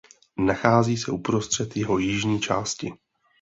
Nachází se uprostřed jeho jižní části.